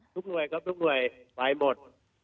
หน่วยครับทุกหน่วยไปหมด